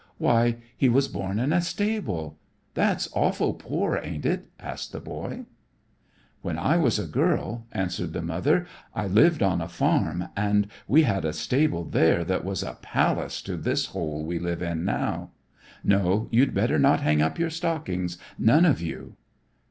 Why, He was born in a stable. That's awful poor, ain't it?" asked the boy. "When I was a girl," answered the mother, "I lived on a farm and we had a stable there that was a palace to this hole we live in now. No, you'd better not hang up your stockings, none of you."